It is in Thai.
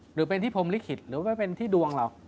หรือเป็นที่พรมลิขิตหรือว่าเป็นที่ดวงเรา